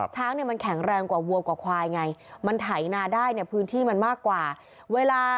ช้างเนี่ยมันแข็งแรงกว่าวัวกว่าควายไงมันไถนาได้เนี่ยพื้นที่มันมากกว่าเวลา